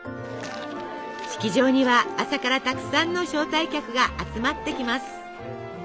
式場には朝からたくさんの招待客が集まってきます。